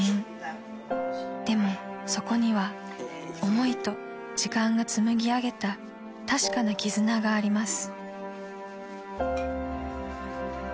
［でもそこには思いと時間が紡ぎ上げた確かな絆があります］